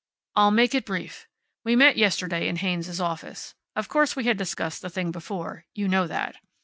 "I'll make it brief. We met yesterday in Haynes's office. Of course we had discussed the thing before. You know that.